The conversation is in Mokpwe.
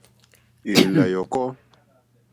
Èlèlà yɔ̀kɔ́.